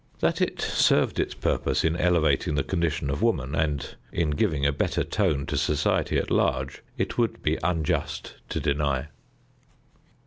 That it served its purpose in elevating the condition of woman, and in giving a better tone to society at large, it would be unjust to deny.